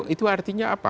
itu artinya apa